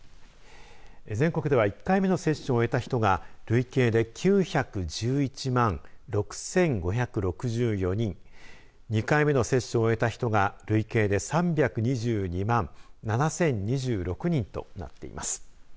全国では１回目の接種を終えた人が累計で９１１万６５６４人２回目の接種を終えた人が累計で３２２万７０２６人となっています。